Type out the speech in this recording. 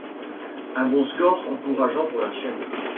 Un bon score encourageant pour la chaîne.